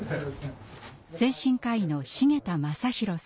精神科医の繁田雅弘さん。